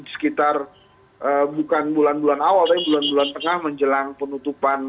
sekitar bukan bulan bulan awal tapi bulan bulan tengah menjelang penutupan